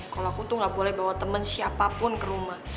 kalau aku tuh gak boleh bawa teman siapapun ke rumah